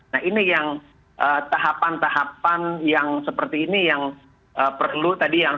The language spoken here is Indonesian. nah ini yang tahapan tahapan yang seperti ini yang perlu tadi yang